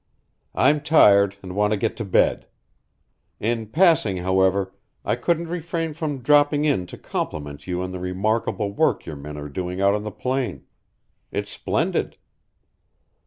"I'm tired, and want to get to bed. In passing, however, I couldn't refrain from dropping in to compliment you on the remarkable work your men are doing out on the plain. It's splendid."